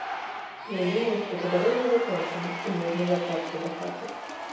Ён думаў, што падарожжа закончана, і можна вяртацца дахаты.